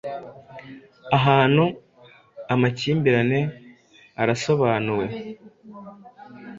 Ahantu amakimbirane arasobanuwe